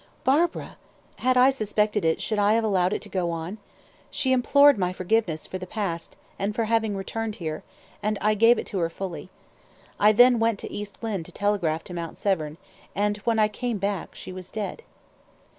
"Barbara! Had I suspected it, should I have allowed it to go on? She implored my forgiveness for the past, and for having returned here, and I gave it to her fully. I then went to West Lynne, to telegraph to Mount Severn, and when I came back she was dead."